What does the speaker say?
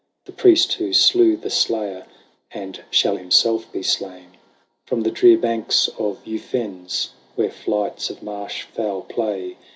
The priest who slew the slayer. And shall himself be slain ; From the drear banks of Ufens, Where flights of marsh fowl play.